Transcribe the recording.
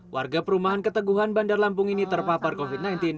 warga perumahan keteguhan bandar lampung ini terpapar covid sembilan belas